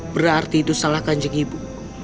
berarti itu salah kan jeng ibu